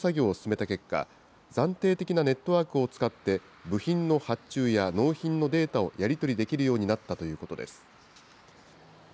部品メーカー側で復旧作業を進めた結果、暫定的なネットワークを使って、部品の発注や納品のデータをやり取りできるようになったということです。